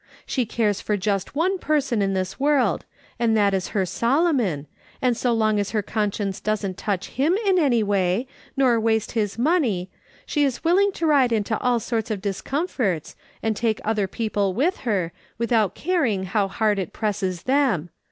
She cares for just one person in this world, and that is her Solomon, and so long as her conscience doesn't touch him in any way, nor waste his money, she is willing to ride into all sorts of discomforts, and take other people with her, without caring how hard it presses them.